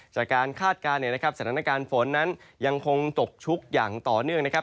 คาดการณ์เนี่ยนะครับสถานการณ์ฝนนั้นยังคงตกชุกอย่างต่อเนื่องนะครับ